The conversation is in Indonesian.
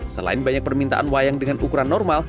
selain banyak permintaan wayang dengan ukuran normal